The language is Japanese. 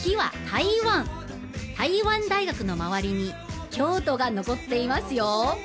台湾大学の周りに京都が残っていますよ